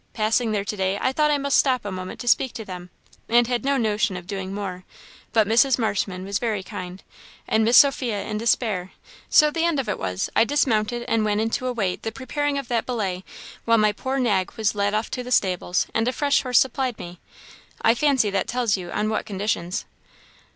Passing there to day, I thought I must stop a moment to speak to them, and had no notion of doing more; but Mrs. Marshman was very kind, and Miss Sophia in despair, so the end of it was, I dismounted and went in to await the preparing of that billet while my poor nag was led off to the stables and a fresh horse supplied me I fancy that tells you on what conditions."